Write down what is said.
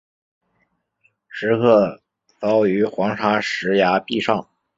石刻凿于黄砂石崖壁上。